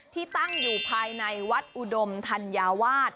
ที่ตั้งอยู่ภายในวัดอุดมธัญวาส